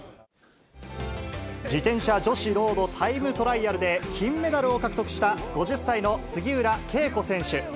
自転車女子ロードタイムトライアルで金メダルを獲得した、５０歳の杉浦佳子選手。